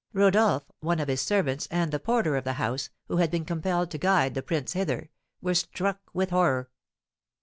Rodolph, one of his servants, and the porter of the house, who had been compelled to guide the prince hither, were struck with horror.